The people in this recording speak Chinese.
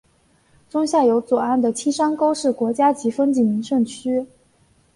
中下游左岸的青山沟是国家级风景名胜区。